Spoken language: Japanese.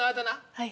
はい。